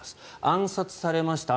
暗殺されました。